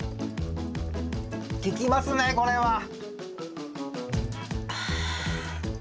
効きますねこれは。あ。